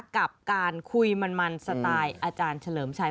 กับการคุยมันสไตล์อาจารย์เฉลิมชัย